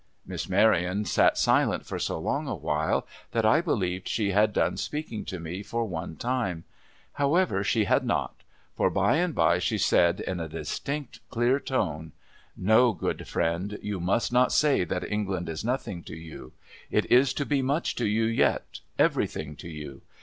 Miss Marion sat silent for so long a while, that I believed she had done speaking to me for one time. However, she had not ; for by and by she said in a distinct, clear tone :' No, good friend ; you must not say that England is nothing to 'VOICES AHEAD!' 173 you. It is to be much to you, yet — everything to you.